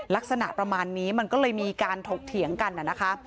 ลักษณะประมาณนี้มันก็เลยมีการถกเถียงกันนะคะ